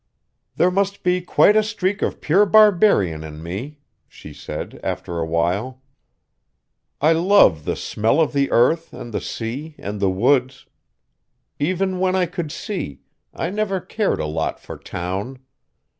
"There must be quite a streak of pure barbarian in me," she said after a while. "I love the smell of the earth and the sea and the woods. Even when I could see, I never cared a lot for town.